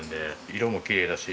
色もきれいだし。